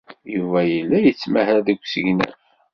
Yuba yella yettmahal deg usegnaf.